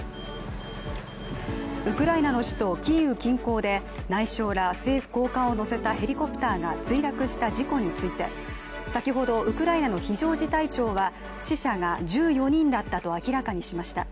ウクライナの首都キーウ近郊で政府高官らを乗せたヘリコプターが墜落した事故について、先ほどウクライナの非常事態庁は死者が１４人だったと明らかにしました。